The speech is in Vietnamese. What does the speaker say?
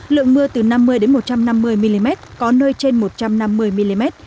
lượng mưa từ năm mươi một trăm năm mươi mm có nơi trên một trăm năm mươi mm